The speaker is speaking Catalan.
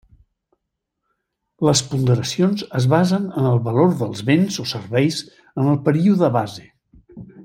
Les ponderacions es basen en el valor dels béns o serveis en el període base.